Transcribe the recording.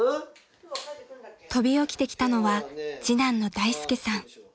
［飛び起きてきたのは次男の大介さん］